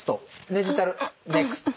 デジタルネクスト。